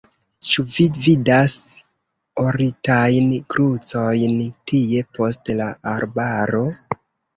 Ĉu vi vidas oritajn krucojn tie post la arbaro?